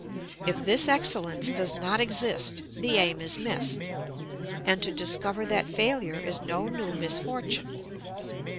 If this excellence does not exist, the aim is missed, and to discover that failure is no new misfortune.